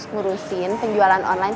ngurusin penjualan online